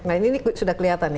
nah ini sudah kelihatan ya